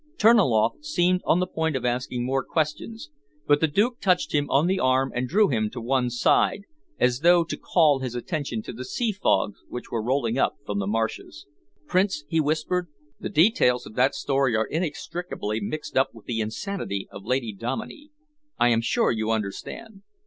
Terniloff seemed on the point of asking more questions, but the Duke touched him on the arm and drew him to one side, as though to call his attention to the sea fogs which were rolling up from the marshes. "Prince," he whispered, "the details of that story are inextricably mixed up with the insanity of Lady Dominey. I am sure you understand."